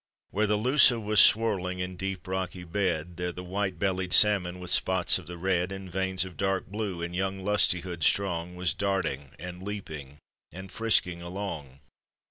Where the Lussa was swirling in deep rocky bed, There the white bellied salmon, with spots of the red And veins of dark blue, in young lustihood strong Was darting and leaping and frisking along!